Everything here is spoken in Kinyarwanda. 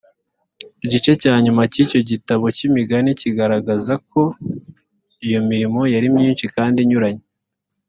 igice cya nyuma cy igitabo cy imigani kigaragaza ko iyo mirimo yari myinshi kandi inyuranye